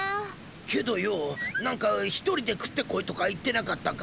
けどよぉ何か一人で食ってこいとか言ってなかったか？